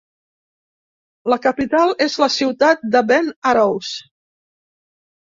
La capital és la ciutat de Ben Arous.